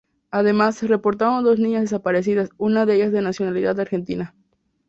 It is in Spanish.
Además, se reportaron dos niñas desaparecidas, una de ellas de nacionalidad argentina.